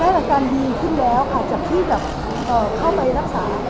อาการดีขึ้นแล้วค่ะจากที่แบบเข้าไปรักษา